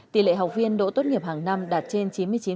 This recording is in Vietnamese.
tỷ lệ học viên đỗ tốt nghiệp hàng năm đạt trên chín mươi chín